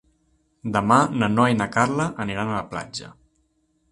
Demà na Noa i na Carla aniran a la platja.